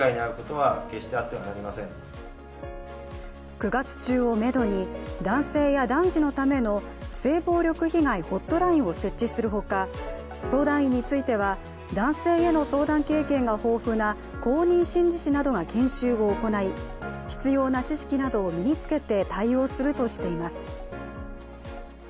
９月中をめどに、男性や男児のための性暴力被害ホットラインを設置するほか、相談員については男性への相談経験が豊富な公認心理師などが研修を行い必要な知識などを身につけて対応するとしています。